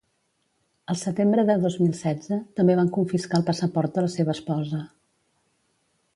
El setembre de dos mil setze, també van confiscar el passaport de la seva esposa.